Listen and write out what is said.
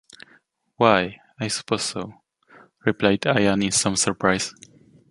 "Why, I suppose so," replied Ayaan in some surprise.